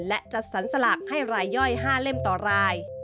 และจัดสรรสลากให้รายย่อย๕เล่มต่อราย